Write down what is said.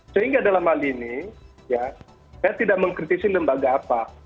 sehingga dalam hal ini ya saya tidak mengkritisi lembaga apa